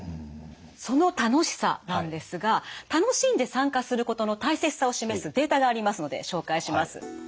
その楽しさなんですが楽しんで参加することの大切さを示すデータがありますので紹介します。